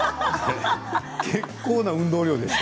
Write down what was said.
結構な運動量でした。